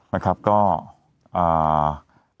อ่านะครับก็อ่า